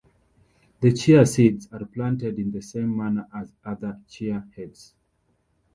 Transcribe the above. The chia seeds are planted in the same manner as other Chia Heads.